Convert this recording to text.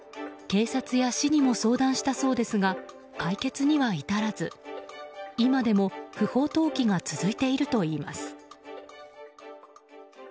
警察や市にも相談したそうですが解決には至らず今でも不法投棄が続いているといいます。